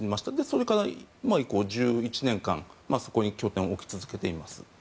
それ以降１１年間そこに拠点を置き続けています。